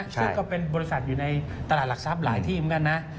ซึ่งก็เป็นบริษัทอยู่ในตลาดหลักทรัพย์หลายที่เหมือนกันนะ